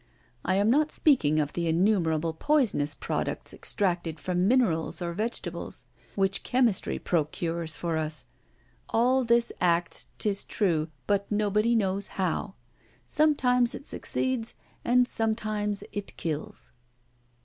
I am not speaking of the innumerable poisonous products extracted from minerals or vegetables, which chemistry procures for us. All this acts, 'tis true, but nobody knows how. Sometimes it succeeds, and sometimes it kills."